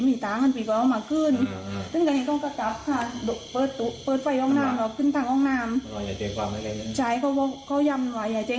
ฮะทำลวดบอกว่าหลักฐานก็ได้เยอะเลยนะที่นี้